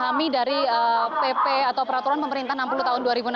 kami dari pp atau peraturan pemerintah enam puluh tahun dua ribu enam belas